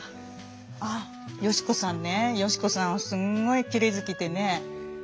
あ嘉子さんね嘉子さんはすんごいきれい好きでね。